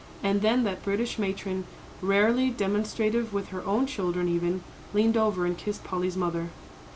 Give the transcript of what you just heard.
And then that British matron, rarely demonstrative with her own children, even, leaned over and kissed Polly's mother.